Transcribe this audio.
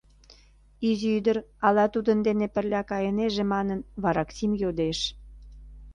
Изи ӱдыр ала тудын дене пырля кайынеже манын, вараксим йодеш.